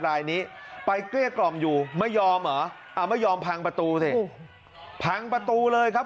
รายนี้ไปเกลี้ยกล่อมอยู่ไม่ยอมเหรออ่าไม่ยอมพังประตูสิพังประตูเลยครับ